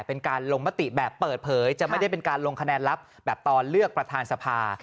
เป็นการลงมติแบบเปิดเผยจะไม่ได้เป็นการลงคะแนนลับแบบตอนเลือกประธานสภา